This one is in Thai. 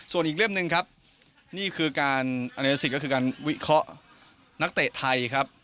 ส่วนอีกเล่มหนึ่งครับนี่คือการอเนสิตก็คือการวิเคราะห์นักเตะไทยครับ